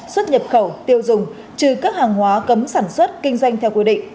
xuất nhập khẩu tiêu dùng trừ các hàng hóa cấm sản xuất kinh doanh theo quy định